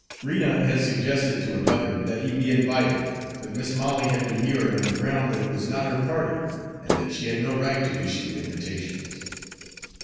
Rena had suggested to her mother that he be invited, but Mis' Molly had demurred on the ground that it was not her party, and that she had no right to issue invitations.